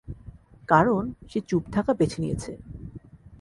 কারণ সে চুপ থাকা বেছে নিয়েছে।